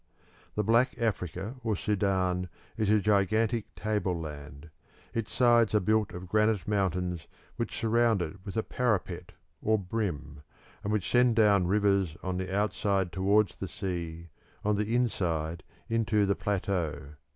The Black Africa or Sudan is a gigantic tableland; its sides are built of granite mountains which surround it with a parapet or brim, and which send down rivers on the outside towards the sea, on the inside into the plateau.